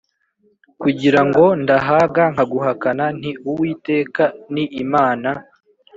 Kugira ngo ndahaga nkaguhakana nti Uwiteka ni Imana